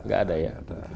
gak ada ya